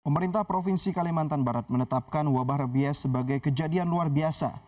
pemerintah provinsi kalimantan barat menetapkan wabah rabies sebagai kejadian luar biasa